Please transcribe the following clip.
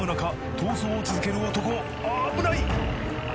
逃走を続ける男危ない！